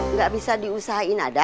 nggak bisa diusahain ada